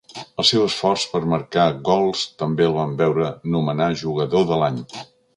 Els seus esforços per marcar gols també el van veure nomenat Jugador de l'Any.